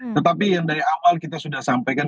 tetapi yang dari awal kita sudah sampaikan